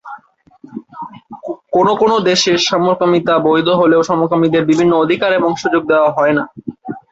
কোনো কোনো দেশে সমকামিতা বৈধ হলেও সমকামীদের বিভিন্ন অধিকার এবং সুযোগ দেওয়া হয়না।